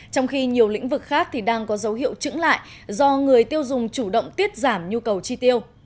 trong khi nhiều lĩnh vực khác thì đang có dấu hiệu trứng lại do người tiêu dùng chủ động tiết giảm nhu cầu chi tiêu